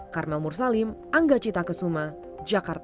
karma mursalim angga cita kesuma jakarta